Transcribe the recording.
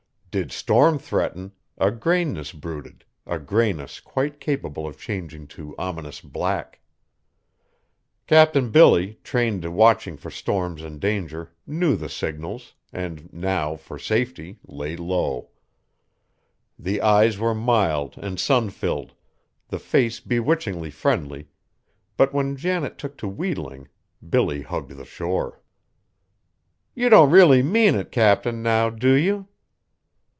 Did storm threaten, a grayness brooded, a grayness quite capable of changing to ominous black. Cap'n Billy, trained to watching for storms and danger, knew the signals, and now, for safety, lay low. The eyes were mild and sun filled, the face bewitchingly friendly; but when Janet took to wheedling, Billy hugged the shore. "You don't really mean it, Cap'n, now, do you?"